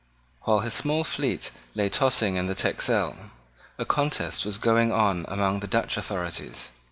While his small fleet lay tossing in the Texel, a contest was going on among the Dutch authorities.